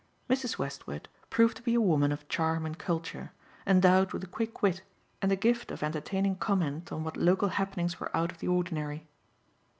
Mrs. Westward proved to be a woman of charm and culture, endowed with a quick wit and a gift of entertaining comment on what local happenings were out of the ordinary.